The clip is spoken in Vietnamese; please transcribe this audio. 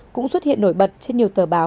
cũng xuất hiện nổi bật trên nhiều tờ báo